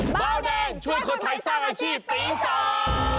เบาแดงช่วยคนไทยสร้างอาชีพปีสอง